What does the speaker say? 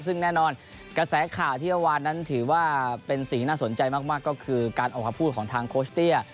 ซึ่งแน่นอนกระแสข่าวที่เมื่อวานนั้นถือว่าเป็นสิ่งน่าสนใจมากก็คือการออกมาพูดของทางโคชเตี้ย